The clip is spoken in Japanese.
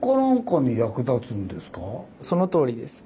そのとおりです。